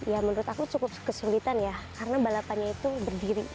ya menurut aku cukup kesulitan ya karena balapannya itu berdiri